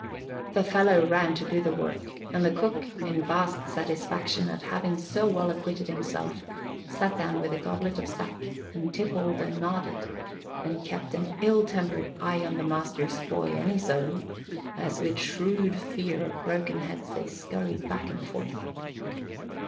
The fellow ran to do the work and the cook, in vast satisfaction at having so well acquitted himself, sat down with a goblet of sack and tippled and nodded, and kept an ill tempered eye on the master's boy and his own, as with shrewd fear of broken heads they scurried back and forth.